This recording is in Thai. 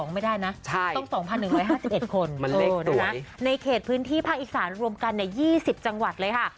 ไม่ได้นะต้อง๒๑๕๑คนในเขตพื้นที่ภาคอีสานรวมกัน๒๐จังหวัดเลยค่ะ